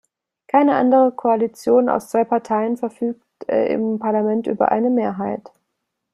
Keine andere Koalition aus zwei Parteien verfügte im Parlament über eine Mehrheit.